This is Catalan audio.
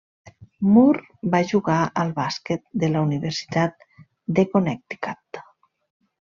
Moore va jugar al bàsquet de la Universitat de Connecticut.